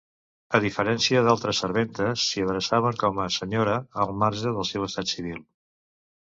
A diferència d'altres serventes, s'hi adreçaven com a Sra., al marge del seu estat civil.